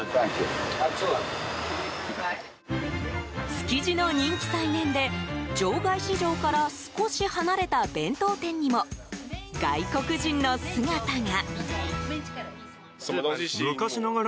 築地の人気再燃で場外市場から少し離れた弁当店にも、外国人の姿が。